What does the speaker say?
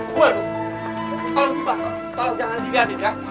tolong hubar tolong jangan diganti ya